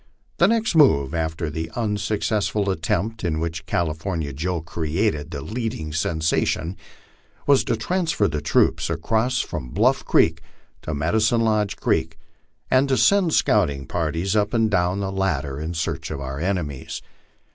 The next move, after the unsuccessful attempt in which California Joe created the leading sensation, was to transfer the troops across from Bluff creek to Medicine Lodge creek, and to send scouting parties up and down the latter in search of our enemies.